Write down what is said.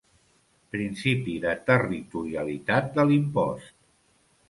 Principi de territorialitat de l'impost.